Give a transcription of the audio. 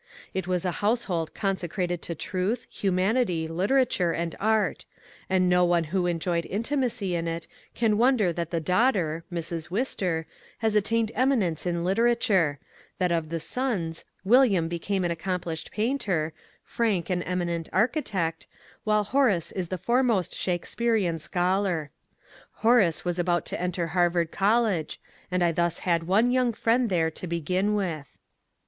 It was a household consecrated to truth, humanity, literature, and art ; and no one who enjoyed intimacy in it can wonder that the daughter (Mrs. Wister) has attaine4 eminence in literature ; that of the sons, William became an accomplished painter, Frank an eminent architect, while Horace is the foremost Shakespearian scholar. Horace was about to enter Harvard CoUege, and I thus had one young friend there to begin with.